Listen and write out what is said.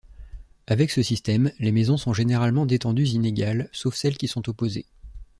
Avec ce système les maisons sont généralement d'étendues inégales, sauf celles qui sont opposées.